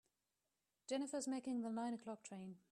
Jennifer is making the nine o'clock train.